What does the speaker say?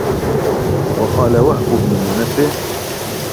وَقَالَ وَهْبُ بْنُ مُنَبِّهٍ